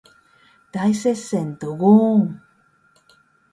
大接戦ドゴーーン